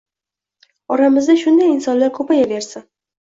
Oramizda shunday insonlar koʻpayaversin.